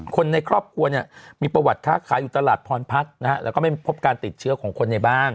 คนในครอบครัวเนี่ยมีประวัติค้าขายอยู่ตลาดพรพัฒน์นะฮะแล้วก็ไม่พบการติดเชื้อของคนในบ้าน